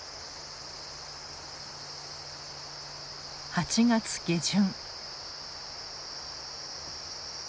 ８月下旬。